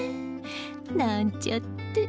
なんちゃって！